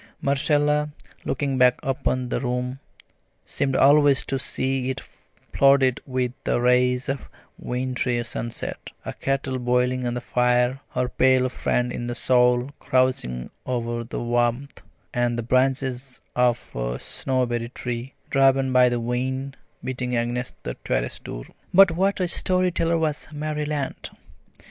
Marcella, looking back upon that room, seemed always to see it flooded with the rays of wintry sunset, a kettle boiling on the fire, her pale friend in a shawl crouching over the warmth, and the branches of a snowberry tree, driven by the wind, beating against the terrace door. But what a story teller was Mary Lant!